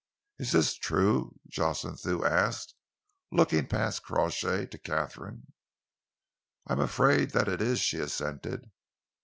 "Is this true?" Jocelyn Thew asked, looking past Crawshay to Katharine. "I am afraid that it is," she assented.